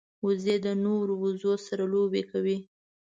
وزې د نورو وزو سره لوبې کوي